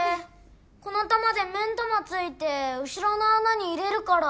この球で目ん玉突いて後ろの穴に入れるから。